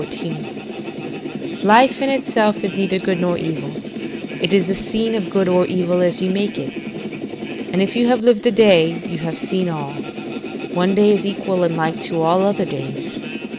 ] "Life in itself is neither good nor evil; it is the scene of good or evil as you make it.' And, if you have lived a day, you have seen all: one day is equal and like to all other days.